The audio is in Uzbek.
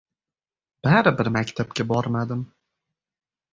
Baribir maktabga bormadim.